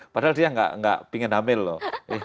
padahal dia tidak ingin hamil loh